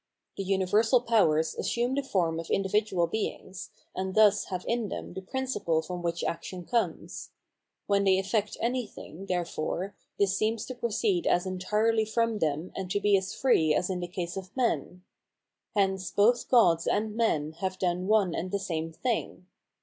The universal powers assume the form of individual beings, and thus have m them the principle from which action comes ; when they efiect anything, therefore, this seems to pro ceed as entirely from them and to be as free as in the case of men. Hence both gods and men have done one and the same thing.